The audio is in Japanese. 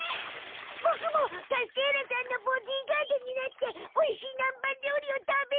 ボクもカステーラさんのボディーガードになっておいしい南蛮料理を食べる！